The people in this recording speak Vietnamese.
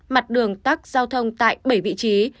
mặt đường tắt giao thông tại bảy vị trí